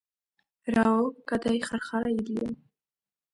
- რაო? - გადიხარხარა ილიამ.